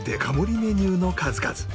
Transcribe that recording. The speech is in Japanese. メニューの数々。